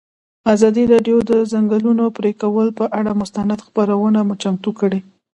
ازادي راډیو د د ځنګلونو پرېکول پر اړه مستند خپرونه چمتو کړې.